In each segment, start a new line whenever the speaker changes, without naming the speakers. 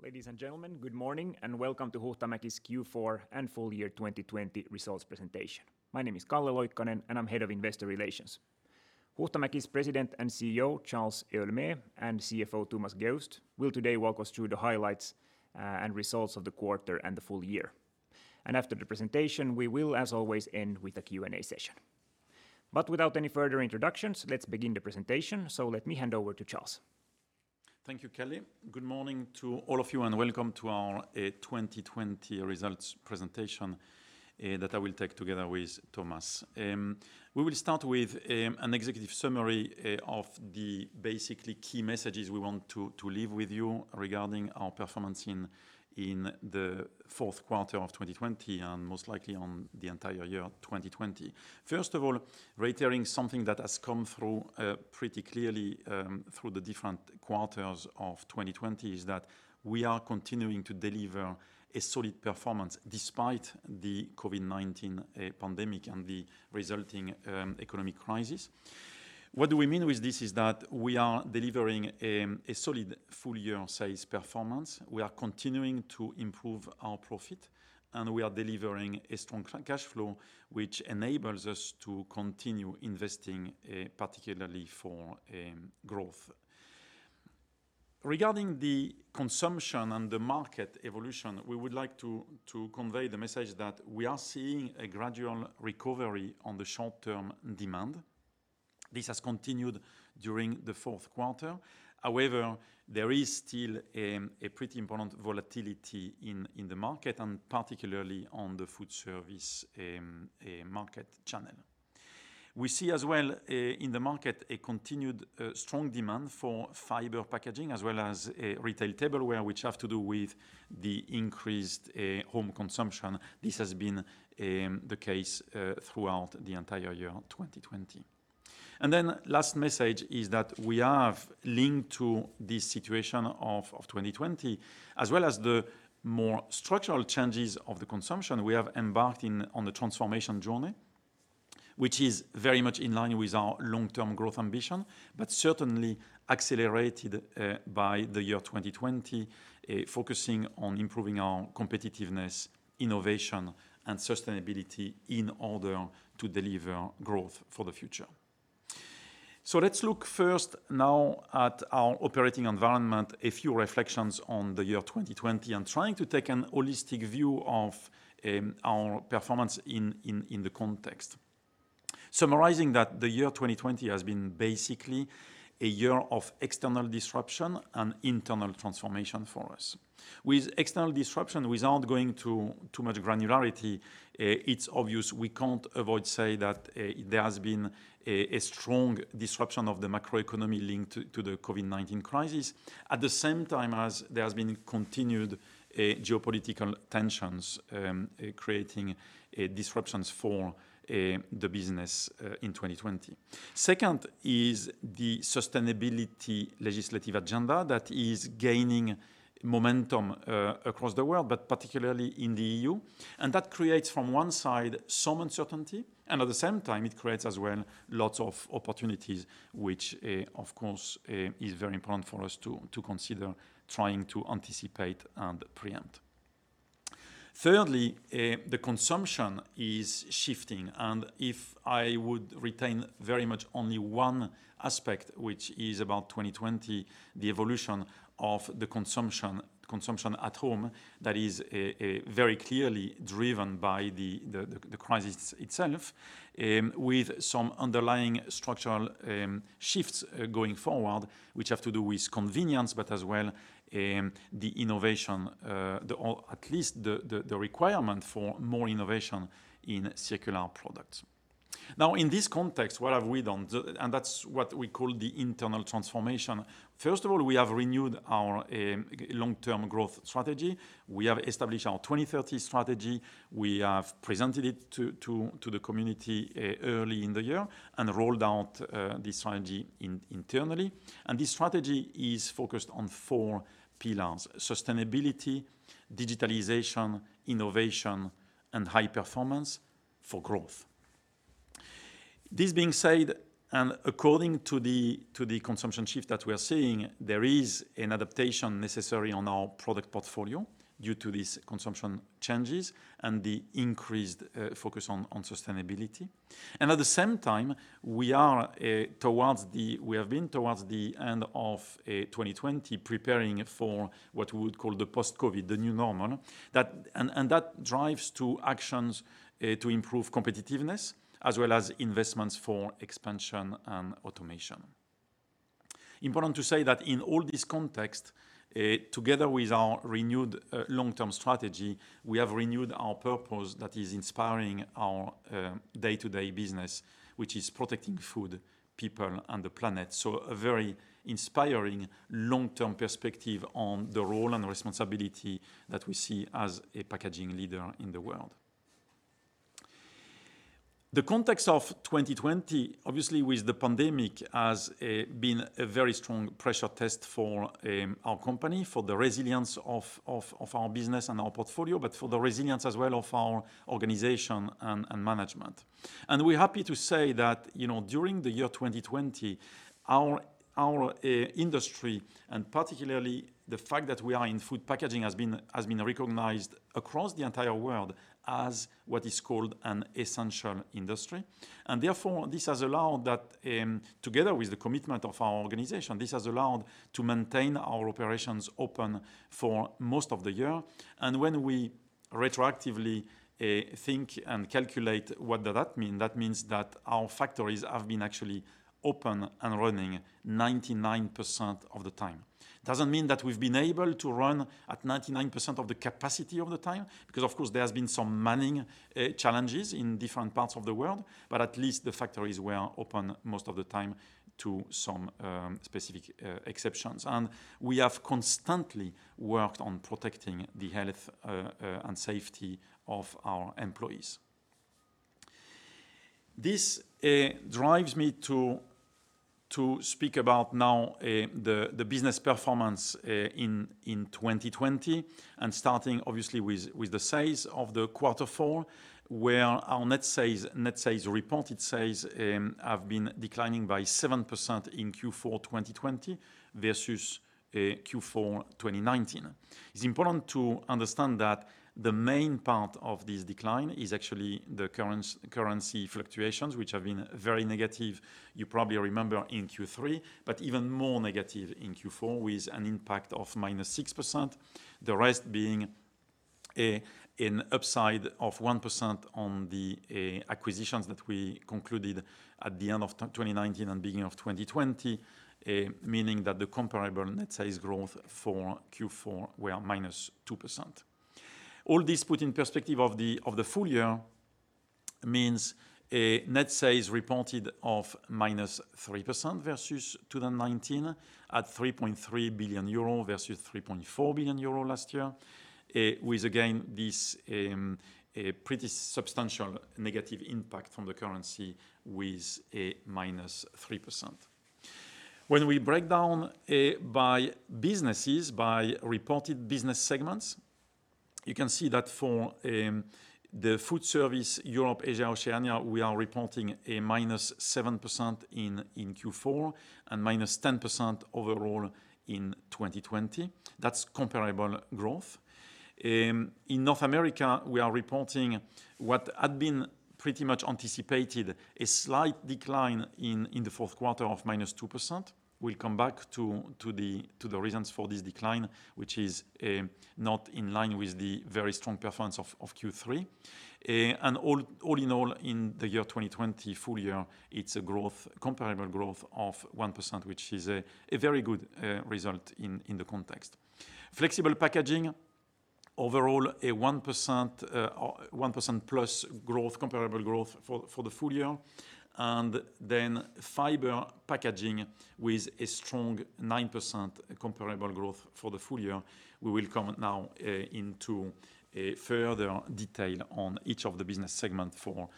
Ladies and gentlemen, good morning, and welcome to Huhtamäki's Q4 and Full Year 2020 Results Presentation. My name is Calle Loikkanen, and I'm Head of Investor Relations. Huhtamäki's President and Chief Executive Officer, Charles Héaulmé, and Chief Financial Officer, Thomas Geust, will today walk us through the highlights and results of the quarter and the full year. After the presentation, we will, as always, end with a Q&A session. Without any further introductions, let's begin the presentation. Let me hand over to Charles.
Thank you, Calle. Good morning to all of you, welcome to our 2020 results presentation that I will take together with Thomas. We will start with an executive summary of the basically key messages we want to leave with you regarding our performance in the fourth quarter of 2020 and most likely on the entire year 2020. First of all, reiterating something that has come through pretty clearly through the different quarters of 2020 is that we are continuing to deliver a solid performance despite the COVID-19 pandemic and the resulting economic crisis. What do we mean with this is that we are delivering a solid full-year sales performance. We are continuing to improve our profit, and we are delivering a strong cash flow, which enables us to continue investing, particularly for growth. Regarding the consumption and the market evolution, we would like to convey the message that we are seeing a gradual recovery on the short-term demand. This has continued during the fourth quarter. However, there is still a pretty important volatility in the market and particularly on the food service market channel. We see as well, in the market, a continued strong demand for fiber packaging as well as retail tableware, which have to do with the increased home consumption. This has been the case throughout the entire year 2020. Last message is that we have linked to this situation of 2020, as well as the more structural changes of the consumption we have embarked on the transformation journey, which is very much in line with our long-term growth ambition, but certainly accelerated by the year 2020, focusing on improving our competitiveness, innovation, and sustainability in order to deliver growth for the future. Let's look first now at our operating environment, a few reflections on the year 2020, and trying to take an holistic view of our performance in the context. Summarizing that the year 2020 has been basically a year of external disruption and internal transformation for us. With external disruption, without going to too much granularity, it's obvious we can't avoid say that there has been a strong disruption of the macroeconomy linked to the COVID-19 crisis. At the same time, there has been continued geopolitical tensions, creating disruptions for the business in 2020. Second is the sustainability legislative agenda that is gaining momentum across the world, but particularly in the EU. That creates from one side, some uncertainty, and at the same time, it creates as well lots of opportunities, which, of course, is very important for us to consider trying to anticipate and preempt. Thirdly, the consumption is shifting, and if I would retain very much only one aspect, which is about 2020, the evolution of the consumption at home that is very clearly driven by the crisis itself, with some underlying structural shifts going forward, which have to do with convenience, but as well, the innovation, or at least the requirement for more innovation in circular products. Now, in this context, what have we done? That's what we call the internal transformation. First of all, we have renewed our long-term growth strategy. We have established our 2030 Strategy. We have presented it to the community early in the year and rolled out this strategy internally. This strategy is focused on four pillars: sustainability, digitalization, innovation, and high performance for growth. This being said, according to the consumption shift that we are seeing, there is an adaptation necessary on our product portfolio due to these consumption changes and the increased focus on sustainability. At the same time, we have been, towards the end of 2020, preparing for what we would call the post-COVID, the new normal, and that drives actions to improve competitiveness as well as investments for expansion and automation. Important to say that in all this context, together with our renewed long-term strategy, we have renewed our purpose that is inspiring our day-to-day business, which is protecting food, people, and the planet. A very inspiring long-term perspective on the role and responsibility that we see as a packaging leader in the world. The context of 2020, obviously with the pandemic, has been a very strong pressure test for our company, for the resilience of our business and our portfolio, but for the resilience as well of our organization and management. We're happy to say that during the year 2020, our industry, and particularly the fact that we are in food packaging, has been recognized across the entire world as what is called an essential industry. Therefore, this has allowed that, together with the commitment of our organization, this has allowed to maintain our operations open for most of the year. When we retroactively think and calculate what does that mean? That means that our factories have been actually open and running 99% of the time. It doesn't mean that we've been able to run at 99% of the capacity all the time, because, of course, there has been some manning challenges in different parts of the world, but at least the factories were open most of the time to some specific exceptions. We have constantly worked on protecting the health and safety of our employees. This drives me to speak about now the business performance in 2020, starting obviously with the sales of the quarter four, where our net sales reported says have been declining by 7% in Q4 2020 versus Q4 2019. It's important to understand that the main part of this decline is actually the currency fluctuations, which have been very negative, you probably remember in Q3, but even more negative in Q4 with an impact of-6%. The rest being an upside of 1% on the acquisitions that we concluded at the end of 2019 and beginning of 2020, meaning that the comparable net sales growth for Q4 were -2%. All this put in perspective of the full year means a net sales reported of -3% versus 2019 at 3.3 billion euro versus 3.4 billion euro last year, with, again, this pretty substantial negative impact from the currency with a -3%. When we break down by businesses, by reported business segments, you can see that for the food service, Europe, Asia, Oceania, we are reporting a -7% in Q4 and -10% overall in 2020. That's comparable growth. In North America, we are reporting what had been pretty much anticipated, a slight decline in the fourth quarter of minus 2%. We'll come back to the reasons for this decline, which is not in line with the very strong performance of Q3. All in all, in the year 2020 full year, it's a comparable growth of 1%, which is a very good result in the context. Flexible packaging, overall, a 1%+ comparable growth for the full year. Fiber packaging with a strong 9% comparable growth for the full year. We will come now into further detail on each of the business segment for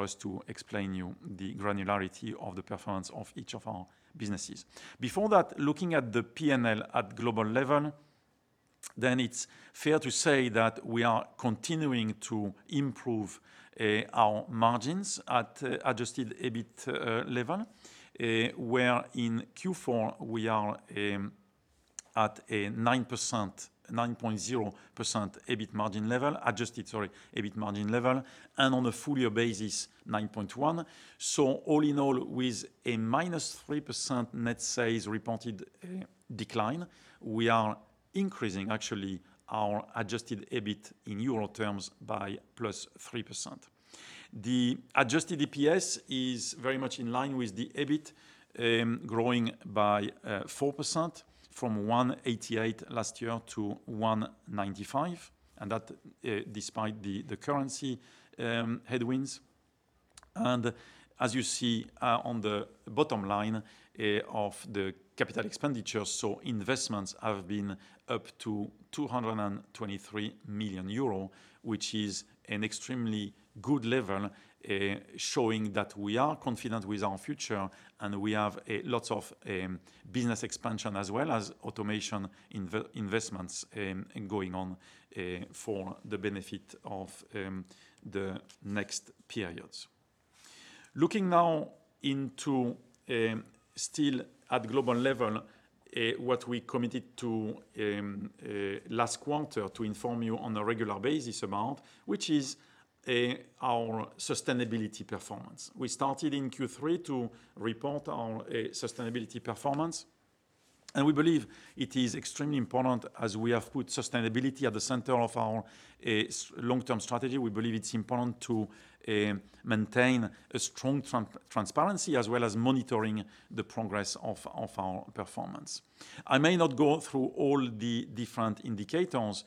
us to explain you the granularity of the performance of each of our businesses. Before that, looking at the P&L at global level, it's fair to say that we are continuing to improve our margins at adjusted EBIT level, where in Q4, we are at a 9.0% EBIT margin level, adjusted, sorry, EBIT margin level, and on a full year basis, 9.1%. All in all, with a -3% net sales reported decline, we are increasing actually our adjusted EBIT in Euro terms by +3%. The adjusted EPS is very much in line with the EBIT, growing by 4% from 1.88 last year to 1.95, and that despite the currency headwinds. As you see on the bottom line of the capital expenditures, so investments have been up to 223 million euro, which is an extremely good level, showing that we are confident with our future, and we have lots of business expansion as well as automation investments going on for the benefit of the next periods. Looking now into, still at global level, what we committed to last quarter to inform you on a regular basis amount, which is our sustainability performance. We started in Q3 to report on sustainability performance, and we believe it is extremely important as we have put sustainability at the center of our long-term strategy. We believe it's important to maintain a strong transparency as well as monitoring the progress of our performance. I may not go through all the different indicators,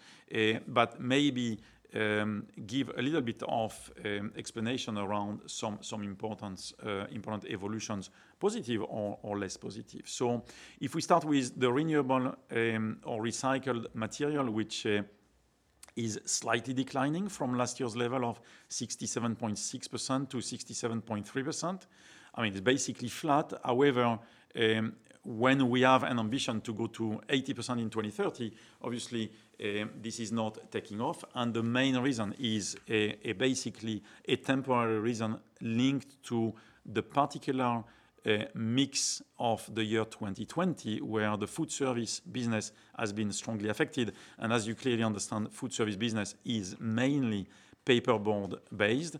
but maybe give a little bit of explanation around some important evolutions, positive or less positive. If we start with the renewable or recycled material, which is slightly declining from last year's level of 67.6% to 67.3%. It's basically flat. However, when we have an ambition to go to 80% in 2030, obviously, this is not taking off, and the main reason is basically a temporary reason linked to the particular mix of the year 2020, where the food service business has been strongly affected. As you clearly understand, food service business is mainly paper board-based,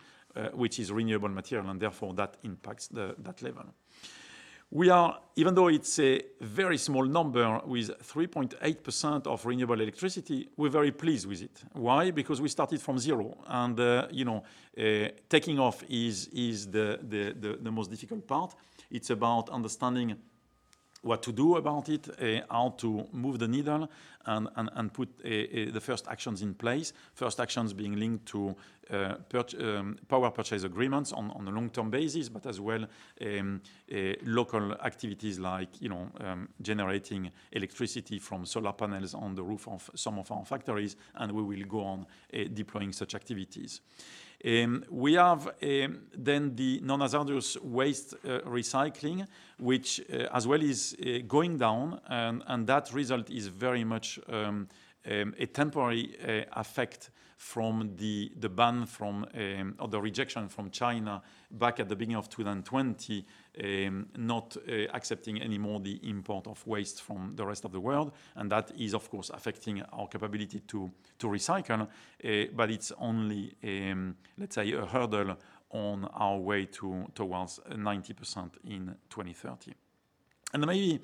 which is renewable material, and therefore that impacts that level. Even though it's a very small number with 3.8% of renewable electricity, we're very pleased with it. Why? Because we started from zero, and taking off is the most difficult part. It's about understanding what to do about it, how to move the needle, and put the first actions in place. First actions being linked to power purchase agreements on a long-term basis, but as well local activities like generating electricity from solar panels on the roof of some of our factories, and we will go on deploying such activities. We have then the non-hazardous waste recycling, which as well is going down, and that result is very much a temporary effect from the ban, from the rejection from China back at the beginning of 2020, not accepting any more the import of waste from the rest of the world. That is, of course, affecting our capability to recycle. It's only, let's say, a hurdle on our way towards 90% in 2030. Maybe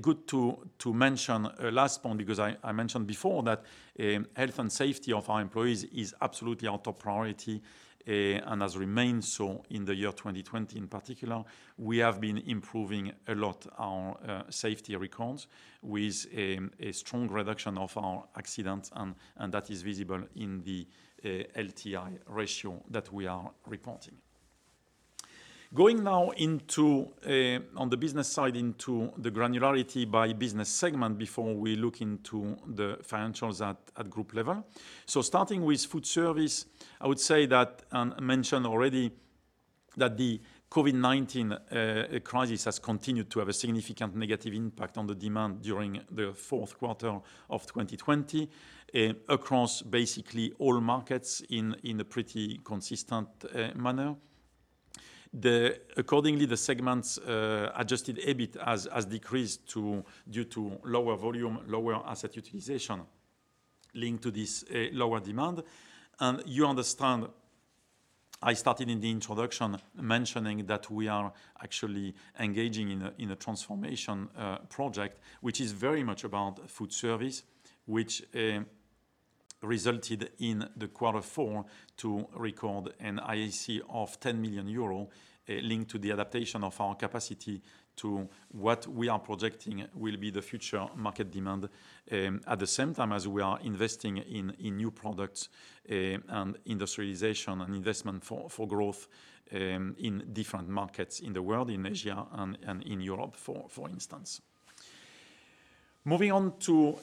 good to mention a last point, because I mentioned before that health and safety of our employees is absolutely our top priority, and has remained so in the year 2020 in particular. We have been improving a lot our safety records with a strong reduction of our accidents, and that is visible in the LTI ratio that we are reporting. Going now on the business side into the granularity by business segment before we look into the financials at group level. Starting with food service, I would say that, and mentioned already that the COVID-19 crisis has continued to have a significant negative impact on the demand during the fourth quarter of 2020 across basically all markets in a pretty consistent manner. Accordingly, the segment's adjusted EBIT has decreased due to lower volume, lower asset utilization linked to this lower demand. You understand, I started in the introduction mentioning that we are actually engaging in a transformation project, which is very much about food service, which resulted in the quarter four to record an IAC of 10 million euro linked to the adaptation of our capacity to what we are projecting will be the future market demand. At the same time as we are investing in new products and industrialization and investment for growth in different markets in the world, in Asia and in Europe, for instance. Moving on to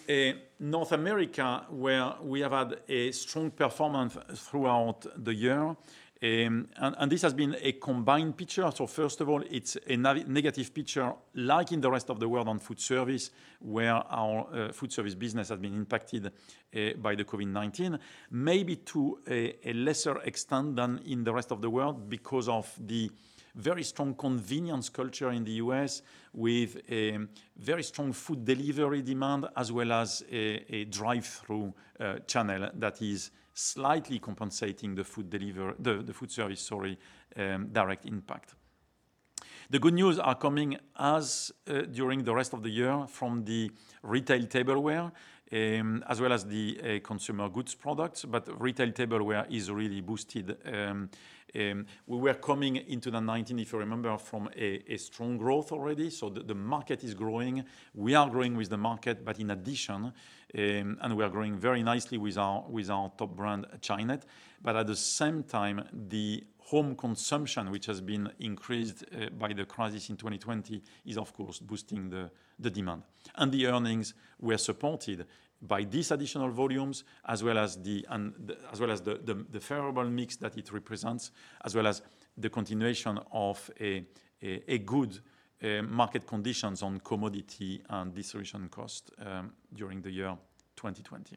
North America, where we have had a strong performance throughout the year. This has been a combined picture. First of all, it's a negative picture like in the rest of the world on food service, where our food service business has been impacted by the COVID-19, maybe to a lesser extent than in the rest of the world because of the very strong convenience culture in the U.S. with very strong food delivery demand as well as a drive-thru channel that is slightly compensating the food service direct impact. The good news are coming as during the rest of the year from the retail tableware, as well as the consumer goods products, but retail tableware is really boosted. We were coming into the 2019, if you remember, from a strong growth already. The market is growing. We are growing with the market, but in addition, and we are growing very nicely with our top brand, Chinet. At the same time, the home consumption, which has been increased by the crisis in 2020, is of course boosting the demand. The earnings were supported by these additional volumes as well as the favorable mix that it represents, as well as the continuation of a good market conditions on commodity and distribution cost during the year 2020.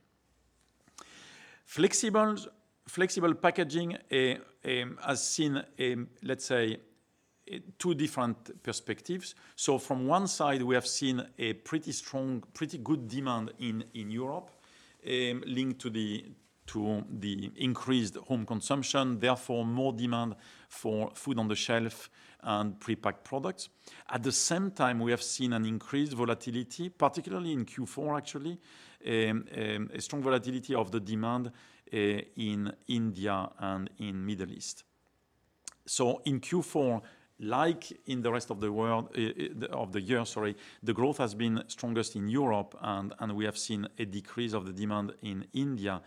Flexible packaging has seen, let's say, two different perspectives. From one side, we have seen a pretty strong, pretty good demand in Europe, linked to the increased home consumption, therefore more demand for food on the shelf and prepacked products. At the same time, we have seen an increased volatility, particularly in Q4, actually, a strong volatility of the demand in India and in Middle East. In Q4, like in the rest of the year, the growth has been strongest in Europe, and we have seen a decrease of the demand in India.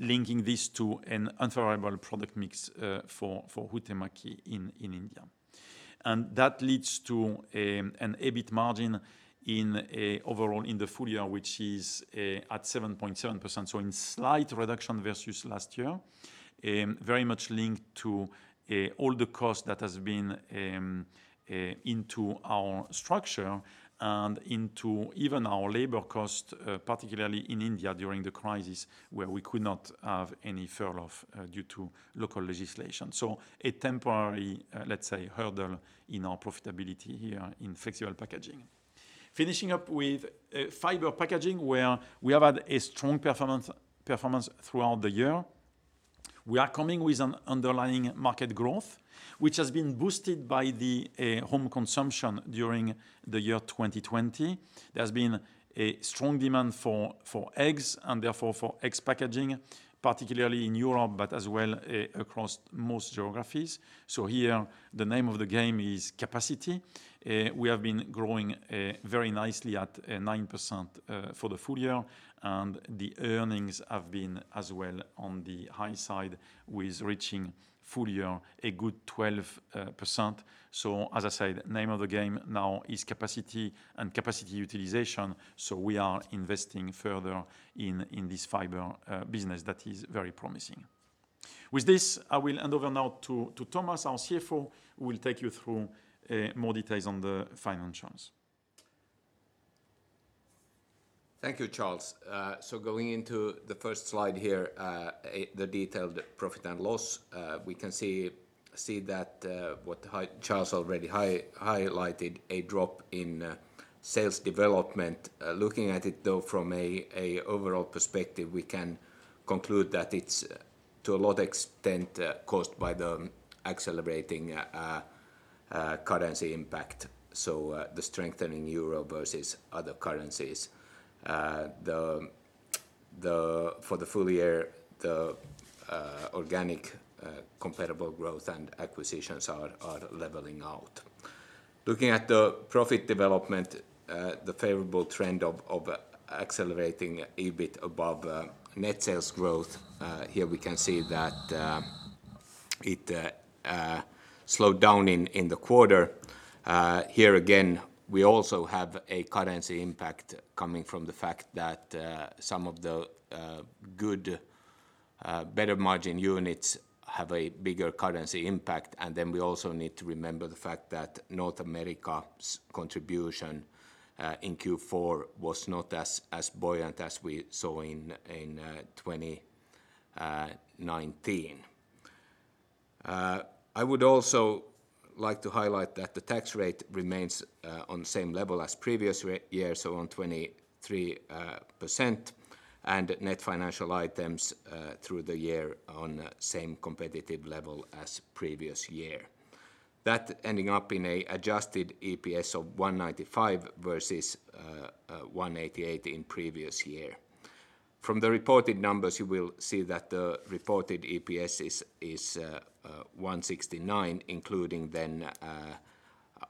Linking this to an unfavorable product mix for Huhtamäki in India. That leads to an EBIT margin overall in the full year, which is at 7.7%. In slight reduction versus last year, very much linked to all the cost that has been into our structure and into even our labor cost, particularly in India during the crisis, where we could not have any furlough due to local legislation. A temporary, let's say, hurdle in our profitability here in Flexible Packaging. Finishing up with Fiber Packaging, where we have had a strong performance throughout the year. We are coming with an underlying market growth, which has been boosted by the home consumption during the year 2020. There's been a strong demand for eggs and therefore for eggs packaging, particularly in Europe, but as well across most geographies. Here the name of the game is capacity. We have been growing very nicely at 9% for the full year, and the earnings have been as well on the high side with reaching full year a good 12%. As I said, name of the game now is capacity and capacity utilization. We are investing further in this fiber business that is very promising. With this, I will hand over now to Thomas, our Chief Financial Officer, who will take you through more details on the financials.
Thank you, Charles. Going into the first slide here, the detailed profit and loss, we can see that what Charles already highlighted, a drop in sales development. Looking at it, though, from a overall perspective, we can conclude that it's to a large extent caused by the accelerating currency impact. The strengthening EUR versus other currencies. For the full year, the organic comparable growth and acquisitions are leveling out. Looking at the profit development, the favorable trend of accelerating EBIT above net sales growth. Here we can see that it slowed down in the quarter. Here again, we also have a currency impact coming from the fact that some of the good, better margin units have a bigger currency impact. Then we also need to remember the fact that North America's contribution in Q4 was not as buoyant as we saw in 2019. I would also like to highlight that the tax rate remains on the same level as previous years, so on 23%. Net financial items through the year on same competitive level as previous year. That ending up in a adjusted EPS of 1.95 versus 1.88 in previous year. From the reported numbers, you will see that the reported EPS is 1.69, including then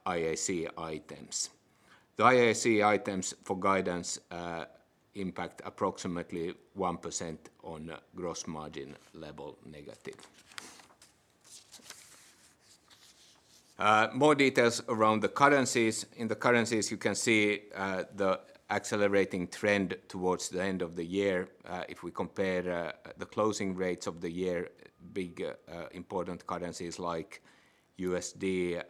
IAC items. The IAC items for guidance impact approximately 1% on gross margin level negative. More details around the currencies. In the currencies, you can see the accelerating trend towards the end of the year. If we compare the closing rates of the year, big, important currencies like USD,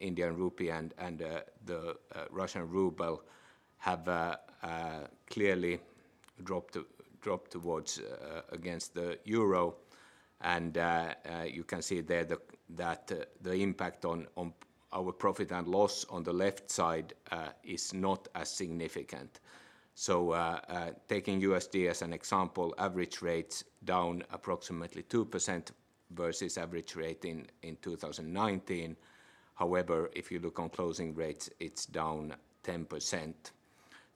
Indian Rupee, and the Russian Ruble have clearly dropped towards against the euro. You can see there that the impact on our profit and loss on the left side is not as significant. Taking USD as an example, average rates down approximately 2% versus average rate in 2019. However, if you look on closing rates, it's down 10%.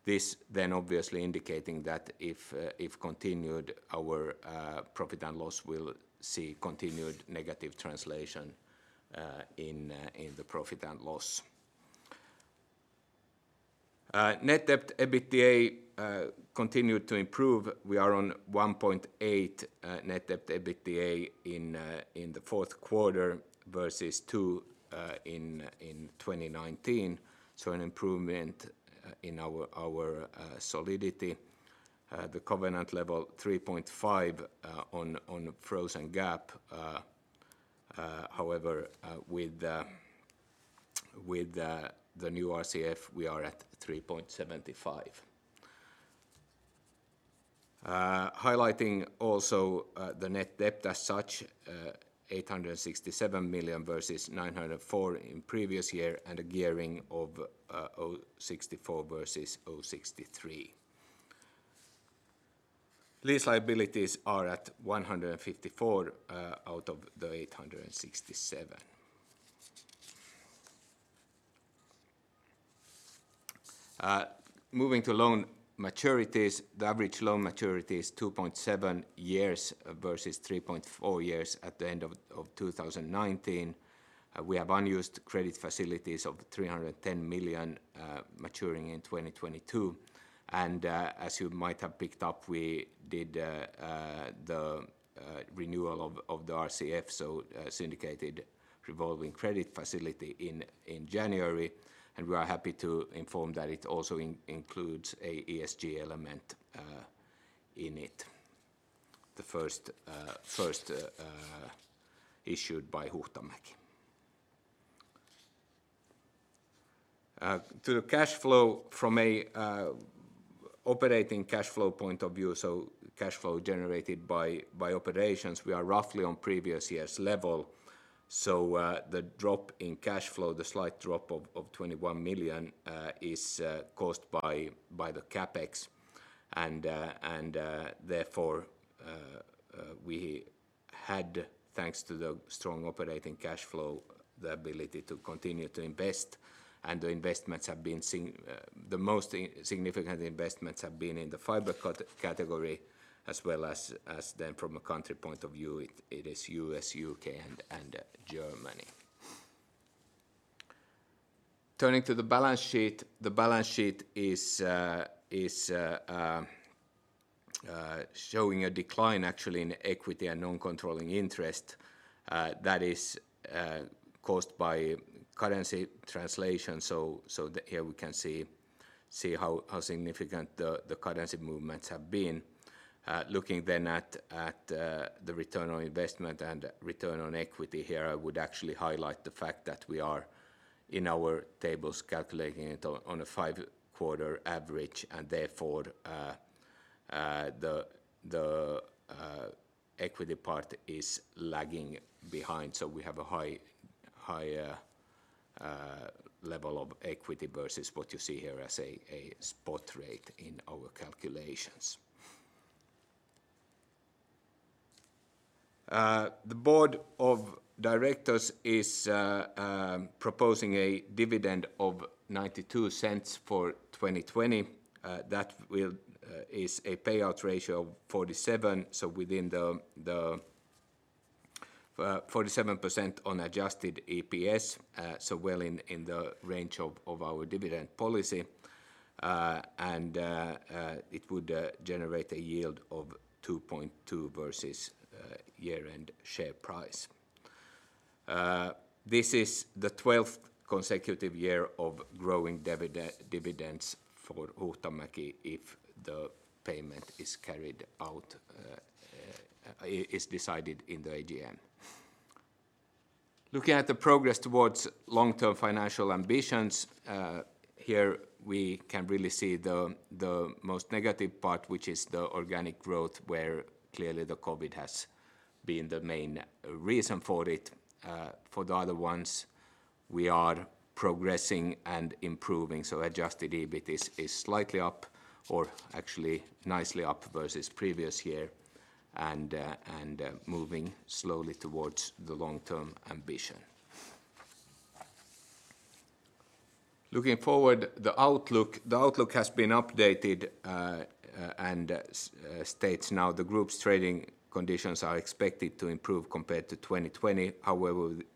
This obviously indicating that if continued, our profit and loss will see continued negative translation in the profit and loss. Net debt EBITDA continued to improve. We are on 1.8 net debt EBITDA in the fourth quarter versus two in 2019. An improvement in our solidity. The covenant level 3.5 on frozen GAAP. However, with the new RCF, we are at 3.75. Highlighting also the net debt as such, 867 million versus 904 in previous year, and a gearing of 0.64 versus 0.63. Lease liabilities are at 154 out of the 867. Moving to loan maturities, the average loan maturity is 2.7 years versus 3.4 years at the end of 2019. We have unused credit facilities of 310 million maturing in 2022. As you might have picked up, we did the renewal of the RCF, so Syndicated Revolving Credit Facility in January, and we are happy to inform that it also includes an ESG element in it. The first issued by Huhtamäki. To the cash flow from an operating cash flow point of view, so cash flow generated by operations, we are roughly on previous year's level. The drop in cash flow, the slight drop of 21 million, is caused by the CapEx and therefore we had, thanks to the strong operating cash flow, the ability to continue to invest. The most significant investments have been in the fiber category as well as from a country point of view, it is U.S., U.K., and Germany. Turning to the balance sheet. The balance sheet is showing a decline actually in equity and non-controlling interest that is caused by currency translation. Here we can see how significant the currency movements have been. Looking at the return on investment and return on equity here, I would actually highlight the fact that we are in our tables calculating it on a five-quarter average and therefore the equity part is lagging behind, so we have a higher level of equity versus what you see here as a spot rate in our calculations. The board of directors is proposing a dividend of 0.92 for 2020. That is a payout ratio of 47%, so within the 47% on adjusted EPS, so well in the range of our dividend policy. It would generate a yield of 2.2% versus year-end share price. This is the 12th consecutive year of growing dividends for Huhtamäki if the payment is decided in the AGM. Looking at the progress towards long-term financial ambitions. Here we can really see the most negative part, which is the organic growth, where clearly the COVID has been the main reason for it. For the other ones, we are progressing and improving, so adjusted EBIT is slightly up or actually nicely up versus previous year and moving slowly towards the long-term ambition. Looking forward, the outlook has been updated and states now the group's trading conditions are expected to improve compared to 2020.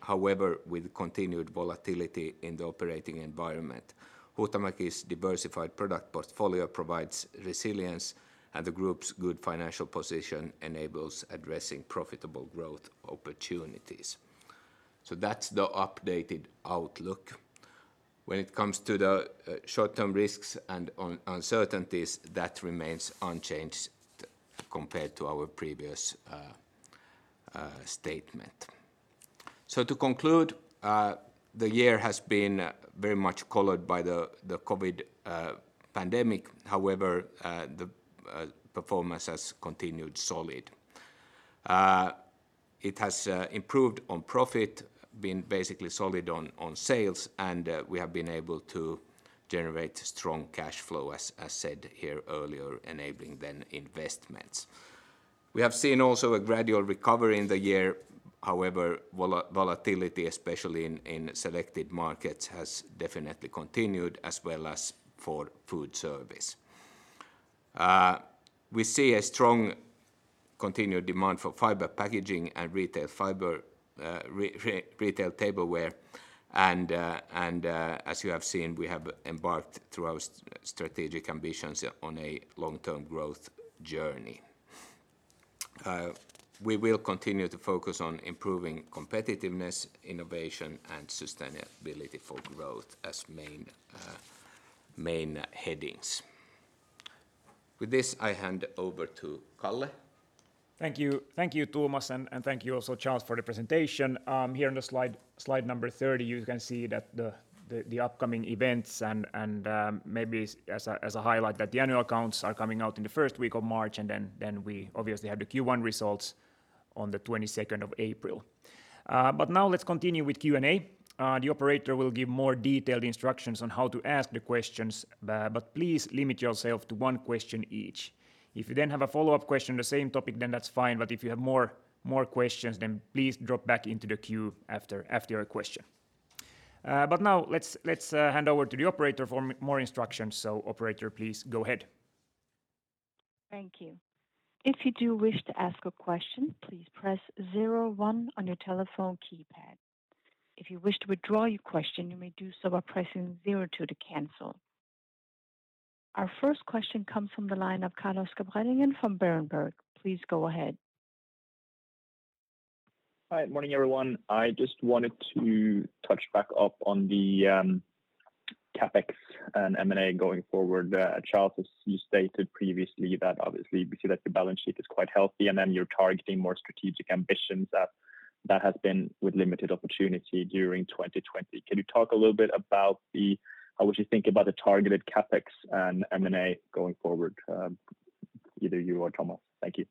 However, with continued volatility in the operating environment. Huhtamäki's diversified product portfolio provides resilience, and the group's good financial position enables addressing profitable growth opportunities. That's the updated outlook. When it comes to the short-term risks and uncertainties, that remains unchanged compared to our previous statement. To conclude, the year has been very much colored by the COVID-19 pandemic. However, the performance has continued solid. It has improved on profit, been basically solid on sales, and we have been able to generate strong cash flow, as said here earlier, enabling then investments. We have seen also a gradual recovery in the year. However, volatility, especially in selected markets, has definitely continued as well as for food service. We see a strong continued demand for fiber packaging and retail tableware and, as you have seen, we have embarked through our strategic ambitions on a long-term growth journey. We will continue to focus on improving competitiveness, innovation, and sustainability for growth as main headings. With this, I hand over to Calle.
Thank you, Thomas, and thank you also, Charles, for the presentation. Here on slide number 30, you can see that the upcoming events and maybe as a highlight that the annual accounts are coming out in the first week of March, and then we obviously have the Q1 results on the 22nd of April. Now let's continue with Q&A. The operator will give more detailed instructions on how to ask the questions, but please limit yourself to one question each. If you then have a follow-up question on the same topic, then that's fine. If you have more questions, then please drop back into the queue after your question. Now let's hand over to the operator for more instructions. Operator, please go ahead.
Thank you. Our first question comes from the line of Carlos Bredengen from Berenberg. Please go ahead.
Hi. Morning, everyone. I just wanted to touch back up on the CapEx and M&A going forward. Charles, as you stated previously, that obviously we see that your balance sheet is quite healthy, and then you're targeting more strategic ambitions that has been with limited opportunity during 2020. Can you talk a little bit about how would you think about the targeted CapEx and M&A going forward? Either you or Thomas. Thank you.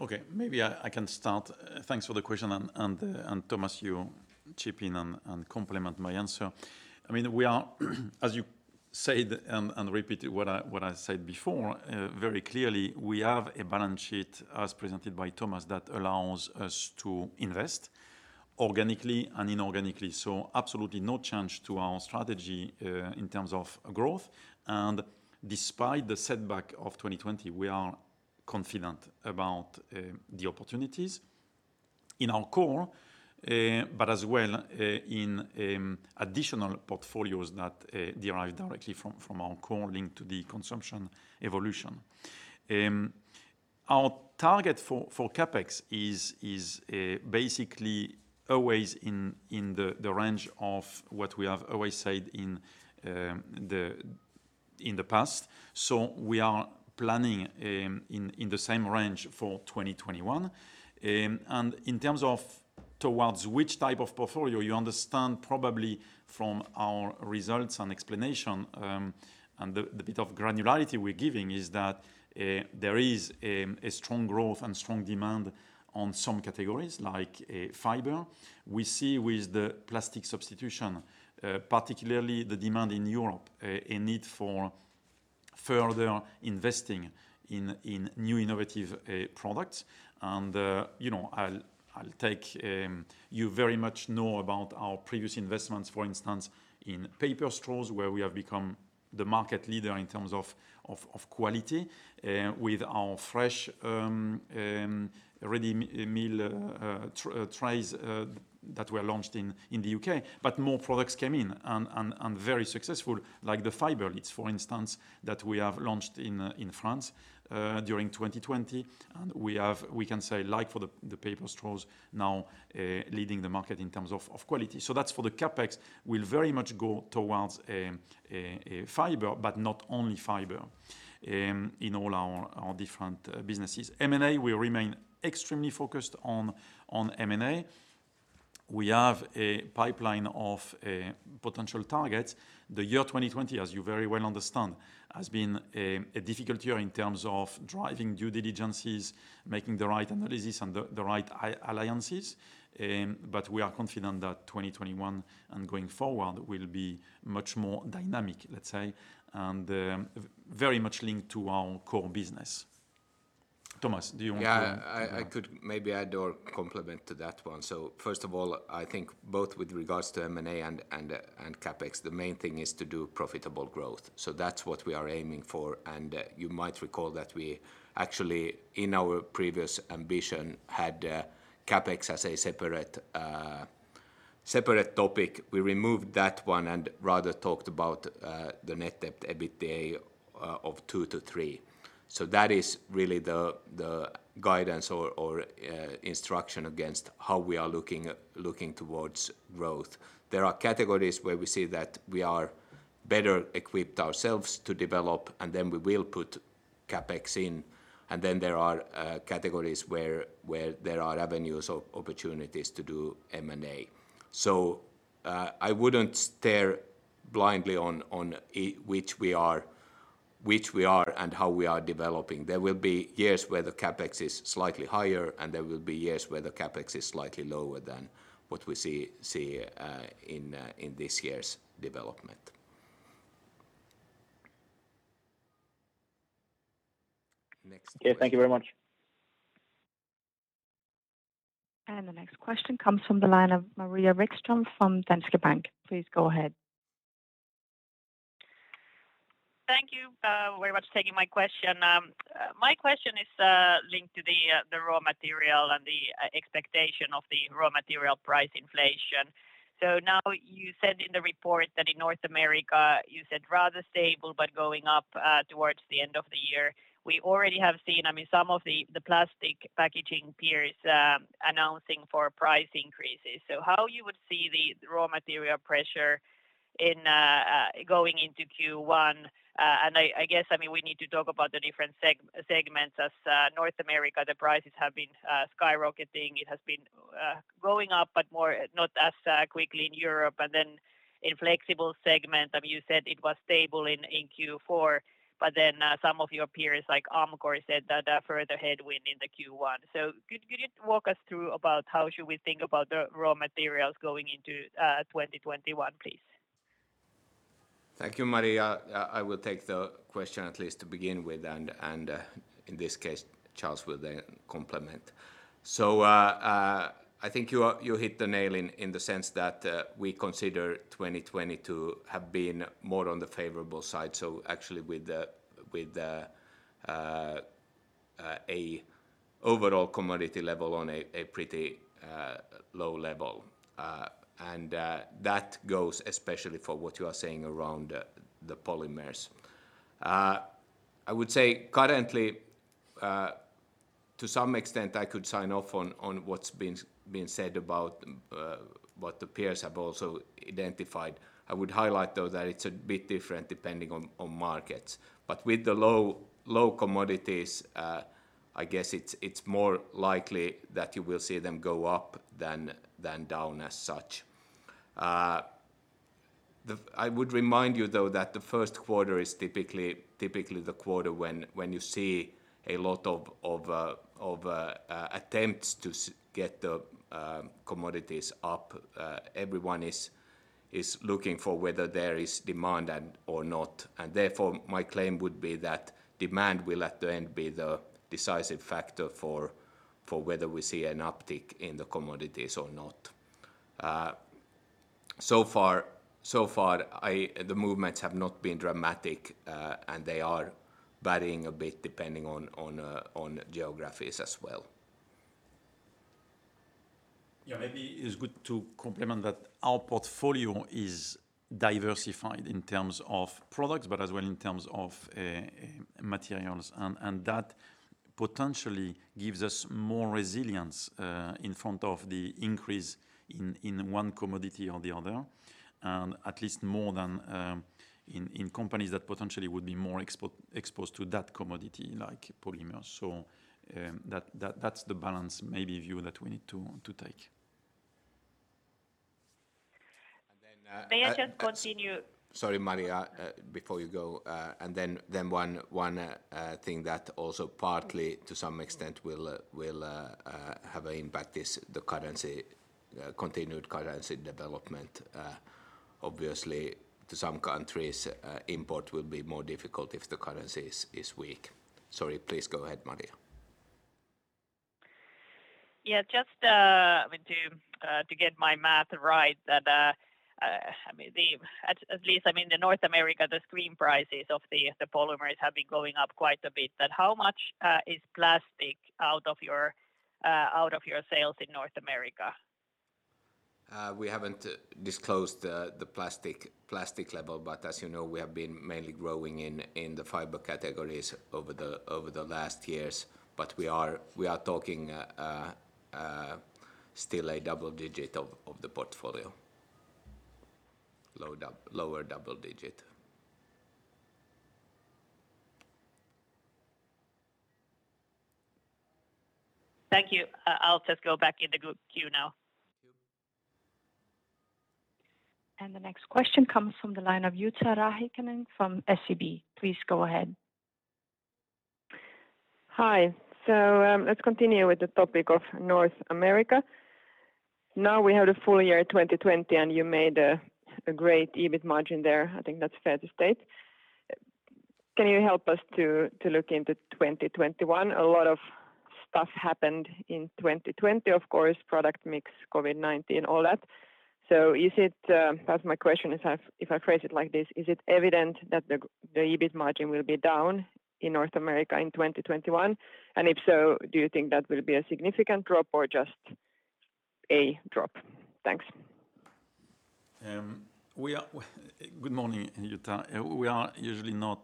Okay. Maybe I can start. Thanks for the question, Thomas, you chip in and complement my answer. As you said and repeated what I said before very clearly, we have a balance sheet as presented by Thomas that allows us to invest organically and inorganically. Absolutely no change to our strategy in terms of growth. Despite the setback of 2020, we are confident about the opportunities in our core, but as well in additional portfolios that derive directly from our core link to the consumption evolution. Our target for CapEx is basically always in the range of what we have always said in the past. We are planning in the same range for 2021. In terms of towards which type of portfolio, you understand probably from our results and explanation, and the bit of granularity we're giving is that there is a strong growth and strong demand on some categories like fiber. We see with the plastic substitution, particularly the demand in Europe, a need for further investing in new innovative products. You very much know about our previous investments, for instance, in paper straws, where we have become the market leader in terms of quality with our Fresh ready meal trays that were launched in the U.K. More products came in and very successful, like the fiber lids, for instance, that we have launched in France during 2020. We can say, like for the paper straws, now leading the market in terms of quality. That's for the CapEx, will very much go towards fiber, but not only fiber in all our different businesses. M&A, we remain extremely focused on M&A. We have a pipeline of potential targets. The year 2020, as you very well understand, has been a difficult year in terms of driving due diligences, making the right analysis, and the right alliances. We are confident that 2021 and going forward will be much more dynamic, let's say, and very much linked to our core business. Thomas, do you want to?
Yeah, I could maybe add or complement to that one. First of all, I think both with regards to M&A and CapEx, the main thing is to do profitable growth. That's what we are aiming for. You might recall that we actually, in our previous ambition, had CapEx as a separate topic. We removed that one and rather talked about the net debt EBITDA of 2-3. That is really the guidance or instruction against how we are looking towards growth. There are categories where we see that we are better equipped ourselves to develop, and then we will put CapEx in, and then there are categories where there are avenues or opportunities to do M&A. I wouldn't stare blindly on which we are and how we are developing. There will be years where the CapEx is slightly higher, and there will be years where the CapEx is slightly lower than what we see in this year's development.
Next question.
Okay. Thank you very much.
The next question comes from the line of Maria Wikström from Danske Bank. Please go ahead.
Thank you very much for taking my question. My question is linked to the raw material and the expectation of the raw material price inflation. You said in the report that in North America, you said rather stable but going up towards the end of the year. We already have seen some of the plastic packaging peers announcing for price increases. How you would see the raw material pressure going into Q1? I guess, we need to talk about the different segments. As North America, the prices have been skyrocketing. It has been going up, but not as quickly in Europe. In flexible segment, you said it was stable in Q4, but then some of your peers, like Amcor, said that a further headwind in the Q1. Could you walk us through about how should we think about the raw materials going into 2021, please?
Thank you, Maria. I will take the question, at least to begin with. In this case, Charles will then complement. I think you hit the nail in the sense that we consider 2020 to have been more on the favorable side. Actually, with a overall commodity level on a pretty low level. That goes especially for what you are saying around the polymers. I would say currently, to some extent, I could sign off on what's been said about what the peers have also identified. I would highlight, though, that it's a bit different depending on markets. With the low commodities, I guess it's more likely that you will see them go up than down as such. I would remind you, though, that the first quarter is typically the quarter when you see a lot of attempts to get the commodities up. Everyone is looking for whether there is demand or not. Therefore, my claim would be that demand will at the end be the decisive factor for whether we see an uptick in the commodities or not. Far, the movements have not been dramatic, and they are varying a bit depending on geographies as well.
Maybe it's good to complement that our portfolio is diversified in terms of products, but as well in terms of materials. That potentially gives us more resilience in front of the increase in one commodity or the other, and at least more than in companies that potentially would be more exposed to that commodity, like polymers. That's the balance, maybe view that we need to take.
May I just continue?
Sorry, Maria before you go. One thing that also partly to some extent will have an impact is the continued currency development. Obviously, to some countries, import will be more difficult if the currency is weak. Sorry, please go ahead, Maria.
Yeah, just to get my math right that at least, in the North America, the screen prices of the polymers have been going up quite a bit. How much is plastic out of your sales in North America?
We haven't disclosed the plastic level, but as you know, we have been mainly growing in the fiber categories over the last years. We are talking still a double digit of the portfolio, lower double digit.
Thank you. I'll just go back in the queue now.
Thank you.
The next question comes from the line of Jutta Rahikainen from SEB. Please go ahead.
Hi. Let's continue with the topic of North America. Now we have the full year 2020, you made a great EBIT margin there. I think that's fair to state. Can you help us to look into 2021? A lot of stuff happened in 2020, of course. Product mix, COVID-19, all that. Perhaps my question, if I phrase it like this, is it evident that the EBIT margin will be down in North America in 2021? If so, do you think that will be a significant drop or just a drop? Thanks.
Good morning, Jutta. We are usually not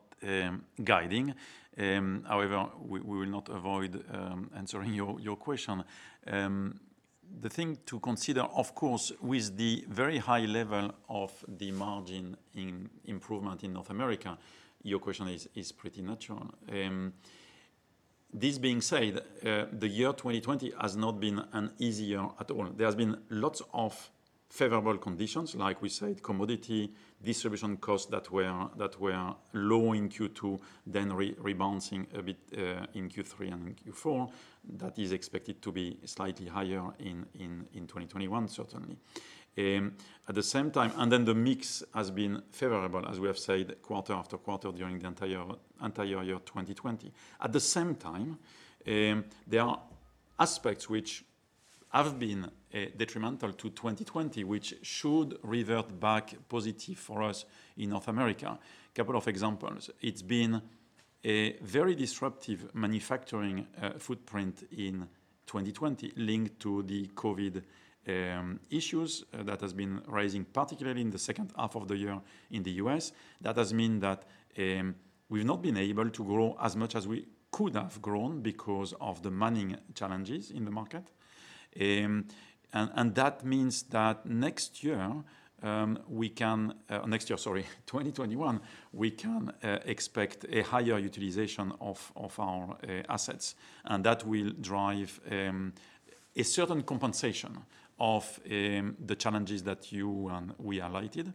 guiding. We will not avoid answering your question. The thing to consider, of course, with the very high level of the margin in improvement in North America, your question is pretty natural. This being said, the year 2020 has not been an easy year at all. There has been lots of favorable conditions, like we said, commodity distribution costs that were low in Q2, then rebounding a bit in Q3 and in Q4. That is expected to be slightly higher in 2021, certainly. At the same time, the mix has been favorable, as we have said, quarter after quarter during the entire year 2020. At the same time, there are aspects which have been detrimental to 2020, which should revert back positive for us in North America. Couple of examples. It's been a very disruptive manufacturing footprint in 2020 linked to the COVID issues that has been rising particularly in the second half of the year in the U.S. That has meant that we've not been able to grow as much as we could have grown because of the manning challenges in the market. That means that 2021, we can expect a higher utilization of our assets, and that will drive a certain compensation of the challenges that you and we highlighted.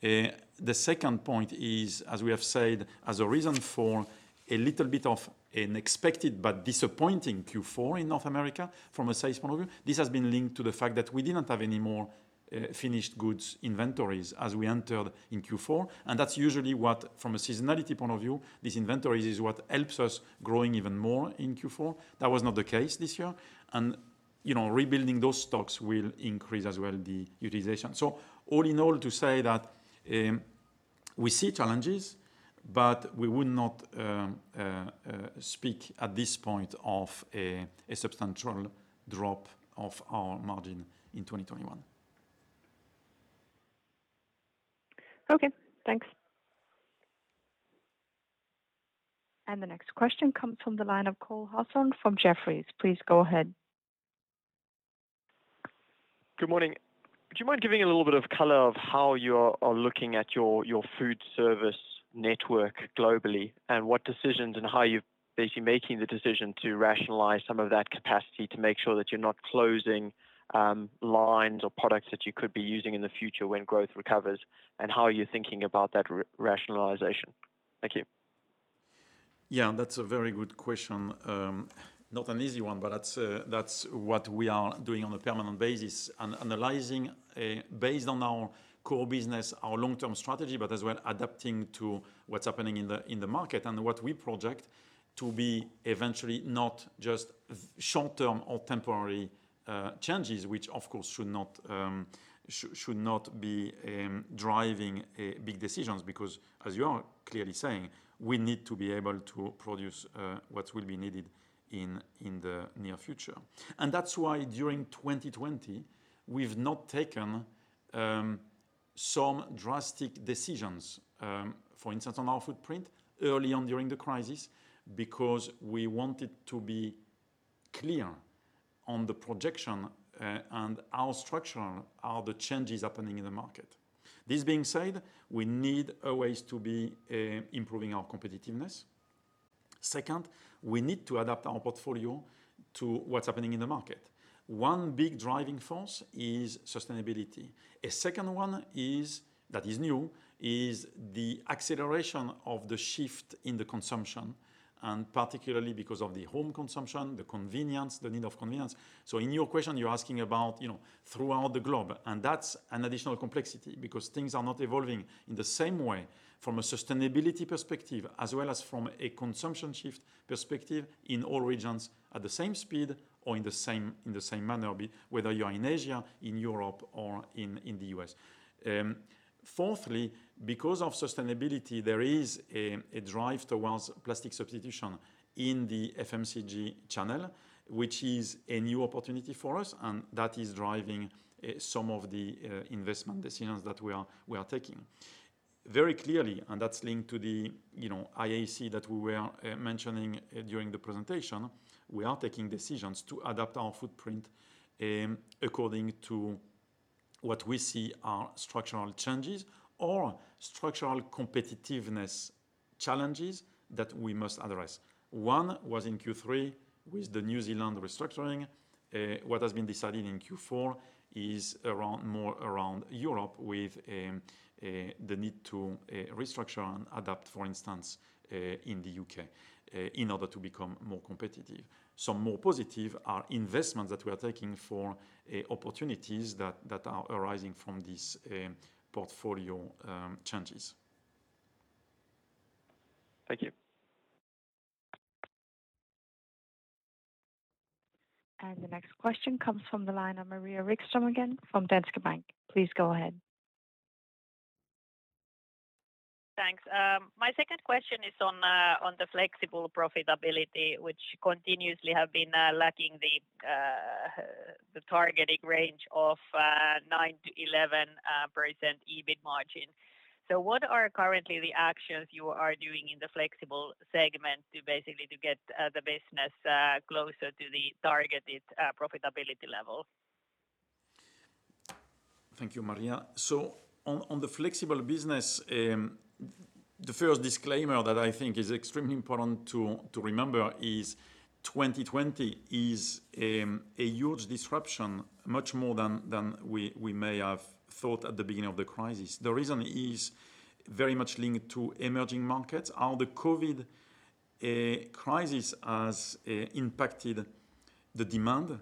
The second point is, as we have said, as a reason for a little bit of an expected but disappointing Q4 in North America from a sales point of view, this has been linked to the fact that we didn't have any more finished goods inventories as we entered in Q4, and that's usually what, from a seasonality point of view, these inventories is what helps us growing even more in Q4. That was not the case this year. Rebuilding those stocks will increase as well the utilization. All in all, to say that we see challenges, but we would not speak at this point of a substantial drop of our margin in 2021.
Okay, thanks. The next question comes from the line of Cole Hathorn from Jefferies. Please go ahead.
Good morning. Do you mind giving a little bit of color of how you are looking at your food service network globally, and what decisions and how you're basically making the decision to rationalize some of that capacity to make sure that you're not closing lines or products that you could be using in the future when growth recovers, and how are you thinking about that rationalization? Thank you.
Yeah, that's a very good question. Not an easy one, but that's what we are doing on a permanent basis, analyzing based on our core business, our long-term strategy, but as well adapting to what's happening in the market and what we project to be eventually not just short-term or temporary changes, which, of course, should not be driving big decisions because, as you are clearly saying, we need to be able to produce what will be needed in the near future. That's why, during 2020, we've not taken some drastic decisions, for instance, on our footprint early on during the crisis, because we wanted to be clear on the projection and how structural are the changes happening in the market. This being said, we need always to be improving our competitiveness. Second, we need to adapt our portfolio to what's happening in the market. One big driving force is sustainability. A second one that is new is the acceleration of the shift in the consumption, and particularly because of the home consumption, the convenience, the need of convenience. In your question, you're asking about throughout the globe, and that's an additional complexity because things are not evolving in the same way from a sustainability perspective as well as from a consumption shift perspective in all regions at the same speed or in the same manner, whether you're in Asia, in Europe, or in the U.S. Fourthly, because of sustainability, there is a drive towards plastic substitution in the FMCG channel, which is a new opportunity for us, and that is driving some of the investment decisions that we are taking. Very clearly, that's linked to the IAC that we were mentioning during the presentation, we are taking decisions to adapt our footprint according to what we see are structural changes or structural competitiveness challenges that we must address. One was in Q3 with the New Zealand restructuring. What has been decided in Q4 is more around Europe with the need to restructure and adapt, for instance, in the U.K., in order to become more competitive. Some more positive are investments that we are taking for opportunities that are arising from these portfolio changes.
Thank you.
The next question comes from the line of Maria Wikström again from Danske Bank. Please go ahead.
Thanks. My second question is on the Flexible profitability, which continuously have been lacking the targeting range of 9%-11% EBIT margin. What are currently the actions you are doing in the Flexible segment to basically get the business closer to the targeted profitability level?
Thank you, Maria. On the Flexible business, the first disclaimer that I think is extremely important to remember is 2020 is a huge disruption, much more than we may have thought at the beginning of the crisis. The reason is very much linked to emerging markets, how the COVID crisis has impacted the demand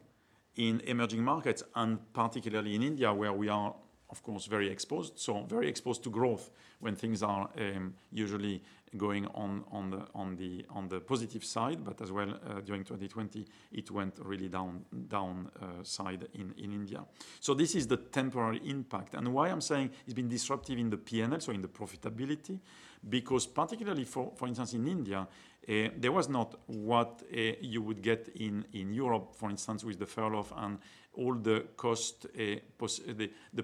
in emerging markets, and particularly in India, where we are, of course, very exposed. Very exposed to growth when things are usually going on the positive side, but as well, during 2020, it went really downside in India. This is the temporary impact. Why I'm saying it's been disruptive in the P&L, so in the profitability, because particularly for instance, in India, there was not what you would get in Europe, for instance, with the furlough and all the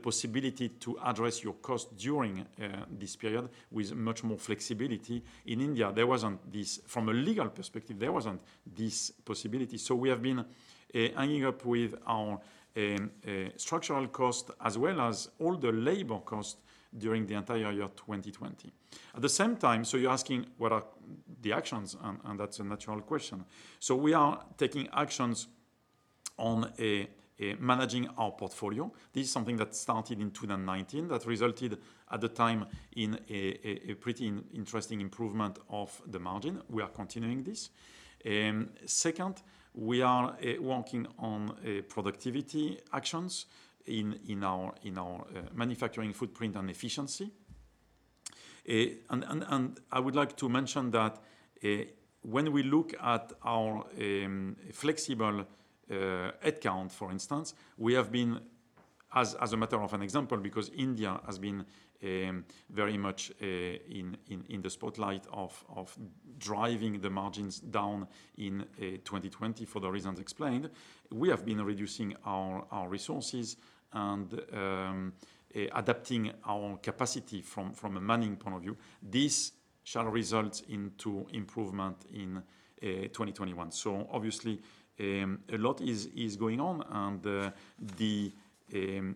possibility to address your cost during this period with much more flexibility. In India, from a legal perspective, there wasn't this possibility. We have been hanging up with our structural cost as well as all the labor cost during the entire year 2020. At the same time, you're asking what are the actions, and that's a natural question. We are taking actions on managing our portfolio. This is something that started in 2019 that resulted at the time in a pretty interesting improvement of the margin. We are continuing this. Second, we are working on productivity actions in our manufacturing footprint and efficiency. I would like to mention that when we look at our flexible headcount, for instance, as a matter of an example, because India has been very much in the spotlight of driving the margins down in 2020 for the reasons explained, we have been reducing our resources and adapting our capacity from a manning point of view. This shall result into improvement in 2021. Obviously, a lot is going on, and the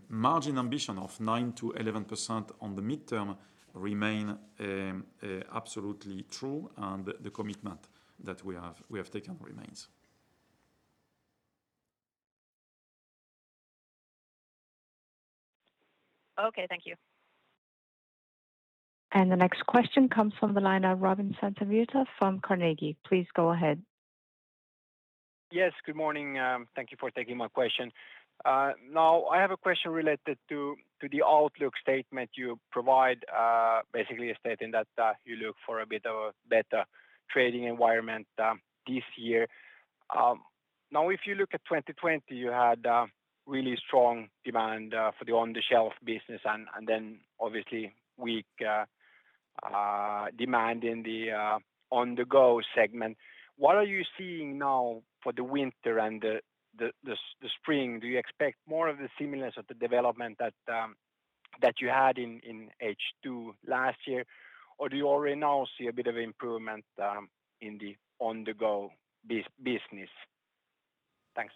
margin ambition of 9%-11% on the midterm remain absolutely true, and the commitment that we have taken remains.
Okay, thank you.
The next question comes from the line of Robin Santavirta from Carnegie. Please go ahead.
Yes, good morning. Thank you for taking my question. Now, I have a question related to the outlook statement you provide, basically a statement that you look for a bit of a better trading environment this year. Now, if you look at 2020, you had really strong demand for the on-the-shelf business and then obviously weak demand in the on-the-go segment. What are you seeing now for the winter and the spring? Do you expect more of the stimulus of the development that you had in H2 last year, or do you already now see a bit of improvement in the on-the-go business? Thanks.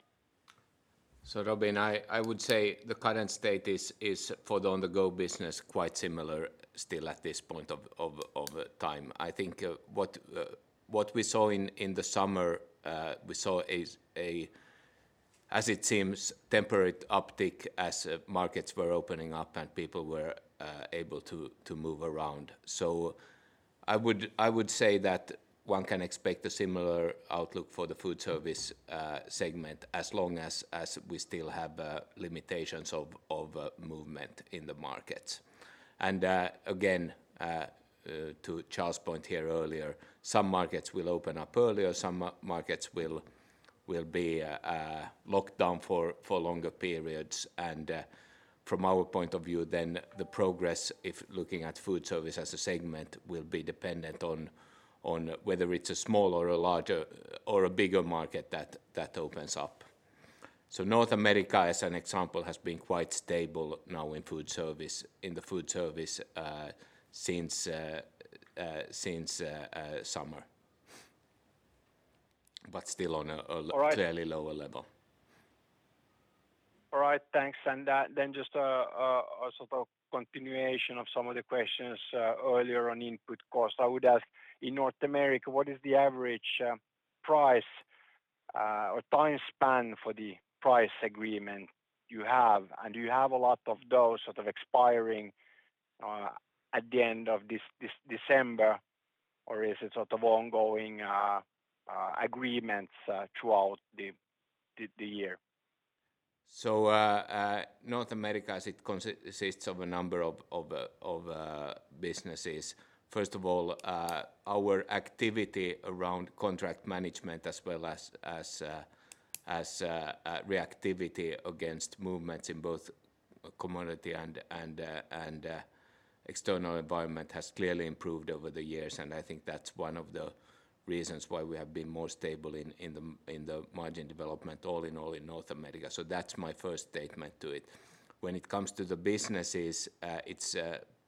Robin, I would say the current state is for the on-the-go business, quite similar still at this point of time. I think what we saw in the summer, we saw as it seems, temporary uptick as markets were opening up and people were able to move around. I would say that one can expect a similar outlook for the food service segment as long as we still have limitations of movement in the markets. Again, to Charles' point here earlier, some markets will open up earlier, some markets will be locked down for longer periods. From our point of view, the progress, if looking at food service as a segment, will be dependent on whether it's a small or a bigger market that opens up. North America, as an example, has been quite stable now in the food service since summer. But still on.
All right.
A clearly lower level.
All right, thanks. Just a sort of continuation of some of the questions earlier on input costs. I would ask, in North America, what is the average price or time span for the price agreement you have? Do you have a lot of those sort of expiring at the end of this December or is it sort of ongoing agreements throughout the year?
North America consists of a number of businesses. First of all, our activity around contract management as well as reactivity against movements in both commodity and external environment has clearly improved over the years. I think that's one of the reasons why we have been more stable in the margin development all in all in North America. That's my first statement to it. When it comes to the businesses, it's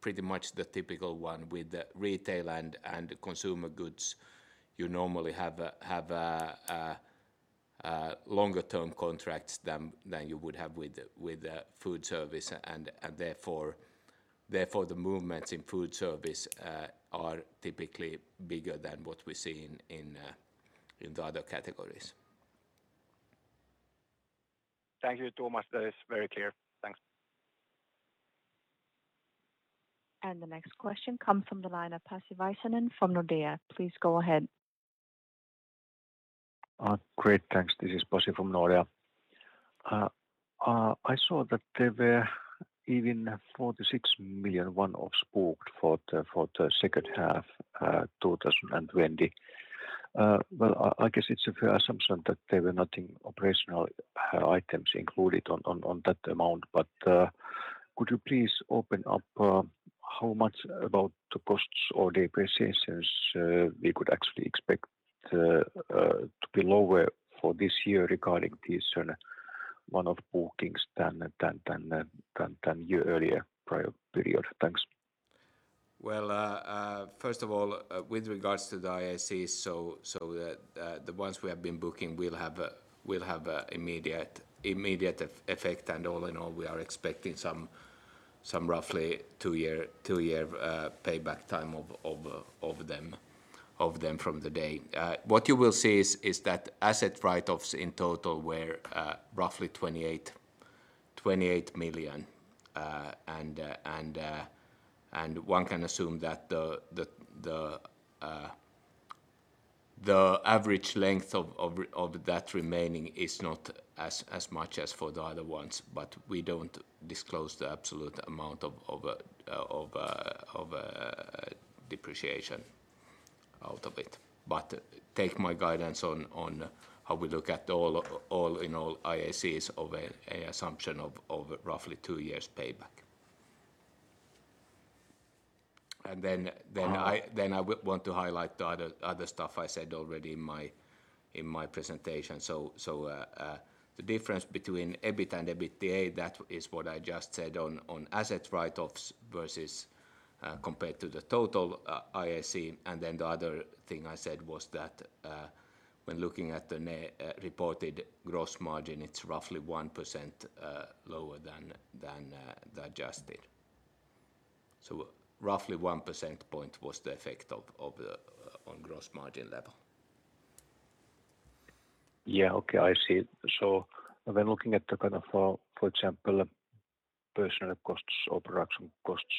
pretty much the typical one with retail and consumer goods. You normally have longer term contracts than you would have with food service, and therefore the movements in food service are typically bigger than what we see in the other categories.
Thank you, Thomas. That is very clear. Thanks.
The next question comes from the line of Pasi Väisänen from Nordea. Please go ahead.
Great, thanks. This is Pasi from Nordea. I saw that there were even 46 million one-offs booked for the second half 2020. Well, I guess it's a fair assumption that there were nothing operational items included on that amount, but could you please open up how much about the costs or depreciations we could actually expect to be lower for this year regarding these one-off bookings than your earlier prior period? Thanks.
Well, first of all, with regards to the IAC, so the ones we have been booking will have immediate effect. All in all, we are expecting some roughly two-year payback time of them from the day. What you will see is that asset write-offs in total were roughly EUR 28 million. One can assume that the average length of that remaining is not as much as for the other ones, but we don't disclose the absolute amount of depreciation out of it. Take my guidance on how we look at all IACs of an assumption of roughly two years payback. I want to highlight the other stuff I said already in my presentation. The difference between EBIT and EBITDA, that is what I just said on asset write-offs versus compared to the total IAC. The other thing I said was that when looking at the net reported gross margin, it's roughly 1% lower than the adjusted. Roughly 1% point was the effect on gross margin level.
Yeah. Okay, I see. When looking at the kind of, for example, personnel costs or production costs,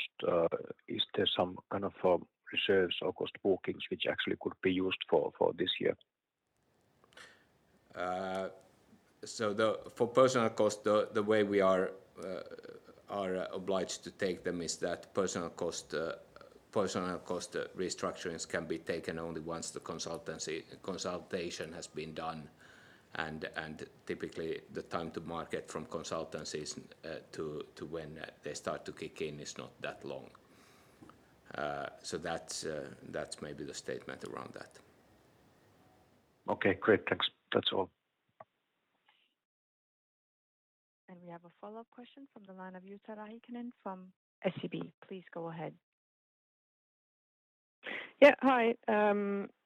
is there some kind of reserves or cost bookings which actually could be used for this year?
For personnel cost, the way we are obliged to take them is that personnel cost restructurings can be taken only once the consultation has been done, and typically the time to market from consultancies to when they start to kick in is not that long. That's maybe the statement around that.
Okay, great. Thanks. That's all.
We have a follow-up question from the line of Jutta Rahikainen from SEB. Please go ahead.
Yeah. Hi.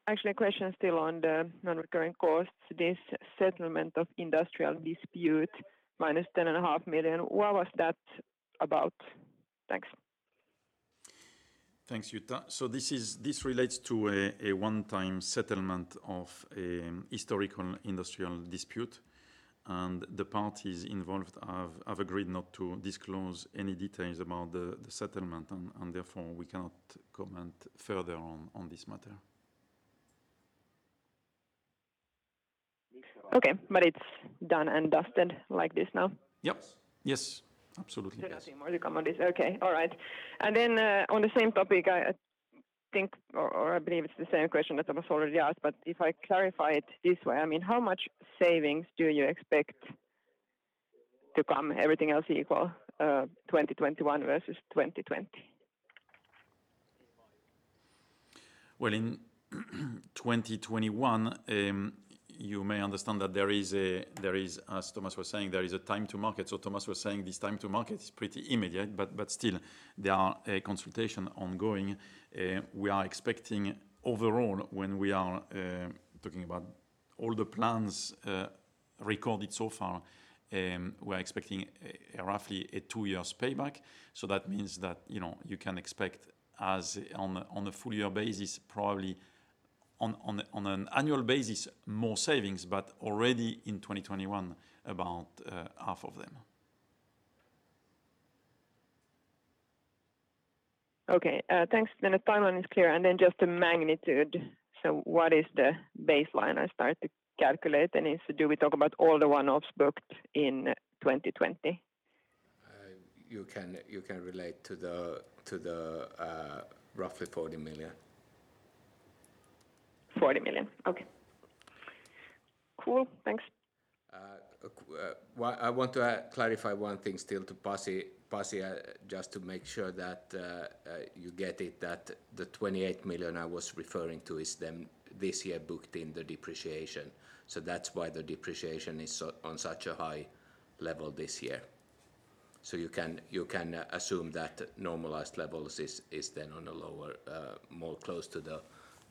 Actually a question still on the non-recurring costs. This settlement of industrial dispute, minus 10.5 million, what was that about? Thanks.
Thanks, Jutta. This relates to a one-time settlement of a historical industrial dispute, and the parties involved have agreed not to disclose any details about the settlement and therefore we cannot comment further on this matter.
Okay, it's done and dusted like this now?
Yep. Yes, absolutely. Yes.
Nothing more to come on this. Okay. All right. On the same topic, I think, or I believe it's the same question that was already asked, but if I clarify it this way, how much savings do you expect to come, everything else equal, 2021 versus 2020?
Well, in 2021, you may understand that there is, as Thomas was saying, there is a time to market. Thomas was saying this time to market is pretty immediate, but still there are consultations ongoing. We are expecting overall, when we are talking about all the plans recorded so far, we are expecting roughly a two years payback. That means that you can expect as on a full year basis, probably on an annual basis, more savings, but already in 2021, about half of them.
Okay. Thanks. The timeline is clear, just the magnitude. What is the baseline I start to calculate? Do we talk about all the one-offs booked in 2020?
You can relate to the roughly 40 million.
40 million. Okay. Cool. Thanks.
I want to clarify one thing still to Pasi, just to make sure that you get it, that the 28 million I was referring to is then this year booked in the depreciation. That's why the depreciation is on such a high level this year. You can assume that normalized levels is then on a lower, more close to the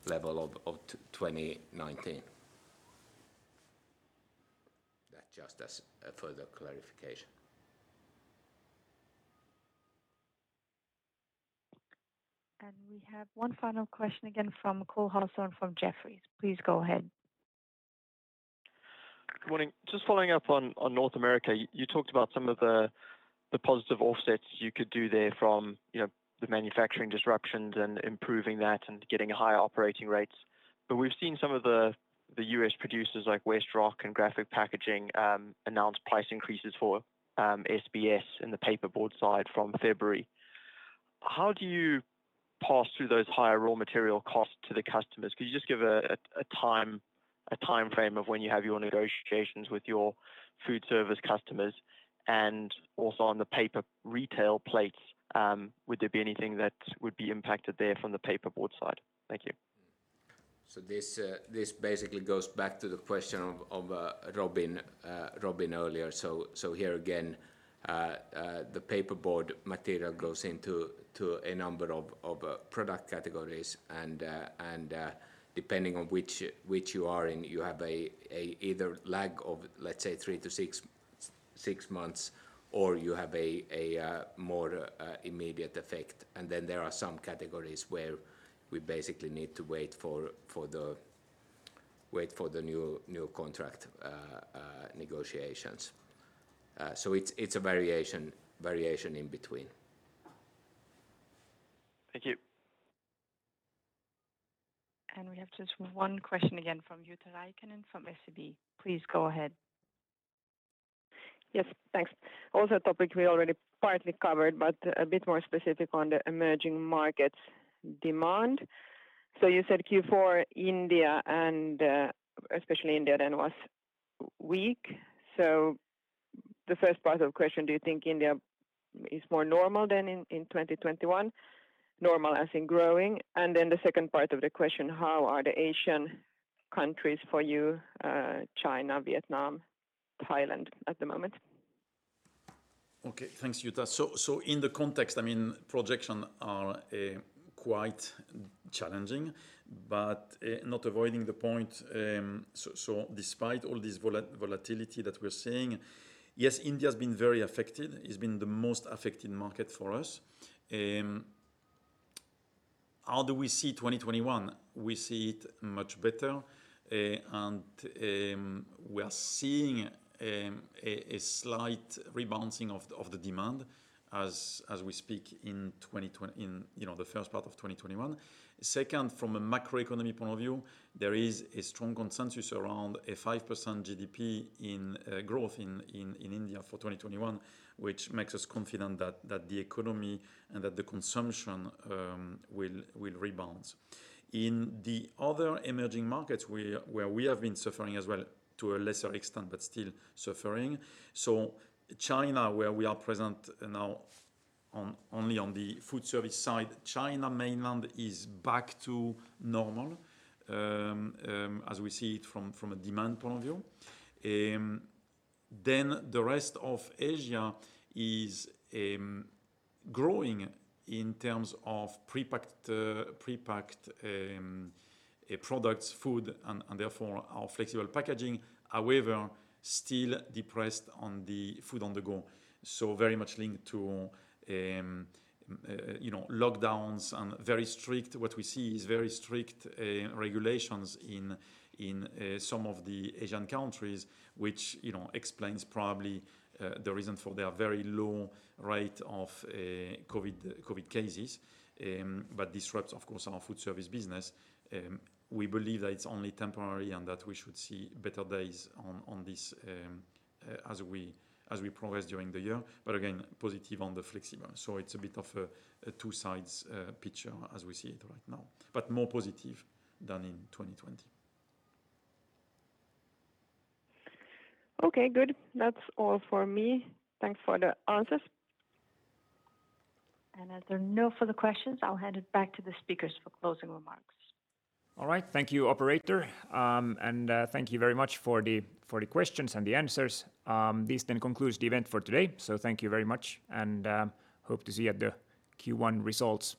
level of 2019. That just as a further clarification.
We have one final question again from Cole Hathorn from Jefferies. Please go ahead.
Good morning. Just following up on North America. You talked about some of the positive offsets you could do there from the manufacturing disruptions and improving that and getting higher operating rates. We've seen some of the U.S. producers like WestRock and Graphic Packaging announce price increases for SBS in the paperboard side from February. How do you pass through those higher raw material costs to the customers? Could you just give a timeframe of when you have your negotiations with your food service customers and also on the paper retail plates? Would there be anything that would be impacted there from the paperboard side? Thank you.
This basically goes back to the question of Robin earlier. Here again, the paper board material goes into a number of product categories and depending on which you are in, you have a either lag of, let's say 3-6 months, or you have a more immediate effect. There are some categories where we basically need to wait for the new contract negotiations. It's a variation in between.
Thank you.
We have just one question again from Jutta Rahikainen and from SEB. Please go ahead.
Yes. Thanks. Also a topic we already partly covered, but a bit more specific on the emerging markets demand. You said Q4, especially India then was weak. The first part of the question, do you think India is more normal than in 2021? Normal as in growing. The second part of the question, how are the Asian countries for you, Chinet, Vietnam, Thailand at the moment?
Okay. Thanks, Jutta. In the context, projections are quite challenging, but not avoiding the point. Despite all this volatility that we're seeing, yes, India's been very affected. It's been the most affected market for us. How do we see 2021? We see it much better, and we are seeing a slight rebounding of the demand as we speak in the first part of 2021. Second, from a macroeconomic point of view, there is a strong consensus around a 5% GDP growth in India for 2021, which makes us confident that the economy and that the consumption will rebound. In the other emerging markets where we have been suffering as well, to a lesser extent, but still suffering. Chinet, where we are present now on only on the food service side, Chinet mainland is back to normal, as we see it from a demand point of view. The rest of Asia is growing in terms of prepacked products, food, and therefore our flexible packaging, however, still depressed on the food on the go. Very much linked to lockdowns and what we see is very strict regulations in some of the Asian countries, which explains probably the reason for their very low rate of COVID cases, but disrupts, of course, our food service business. We believe that it's only temporary and that we should see better days on this as we progress during the year, but again, positive on the flexible. It's a bit of a two sides picture as we see it right now, but more positive than in 2020.
Okay, good. That's all for me. Thanks for the answers.
As there are no further questions, I'll hand it back to the speakers for closing remarks.
All right. Thank you, Operator. Thank you very much for the questions and the answers. This then concludes the event for today. Thank you very much, and hope to see you at the Q1 results.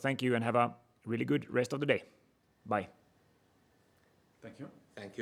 Thank you and have a really good rest of the day. Bye.
Thank you.
Thank you.